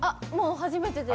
初めてです。